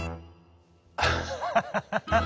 「アハハハ！